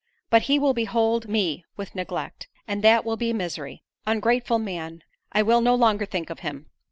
But he will behold me with neglect, and that will be misery! Ungrateful man! I will no longer think of him."